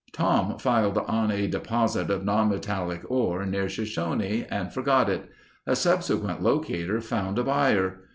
Tom filed on a deposit of non metallic ore near Shoshone and forgot it. A subsequent locater found a buyer.